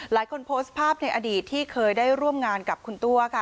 หลายคนโพสต์ภาพในอดีตที่เคยได้ร่วมงานกับคุณตัวค่ะ